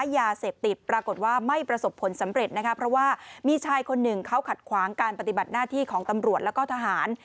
ยาเสพติดปรากฏว่าไม่ประสบผลสำเร็จนะคะเพราะว่ามีชายคนหนึ่งเขาขัดขวางการปฏิบัติหน้าที่ของตำรวจแล้วก็ทหาร